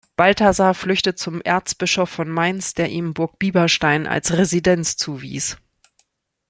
Balthasar flüchtet zum Erzbischof von Mainz, der ihm Burg Bieberstein als Residenz zuwies.